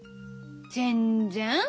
全然。